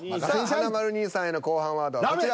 華丸兄さんへの後半ワードはこちら。